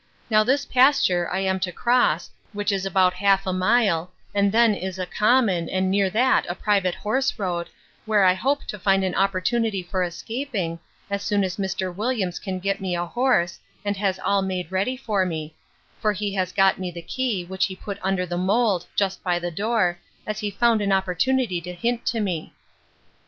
Now this pasture I am to cross, which is about half a mile, and then is a common, and near that a private horse road, where I hope to find an opportunity for escaping, as soon as Mr. Williams can get me a horse, and has made all ready for me: for he has got me the key, which he put under the mould, just by the door, as he found an opportunity to hint to me.